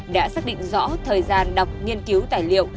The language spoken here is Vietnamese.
đã xác định rõ thời gian đọc nghiên cứu tài liệu